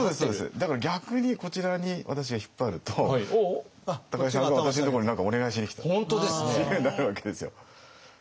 だから逆にこちらに私が引っ張ると高井さんが私のところに何かお願いしに来たっていうふうに。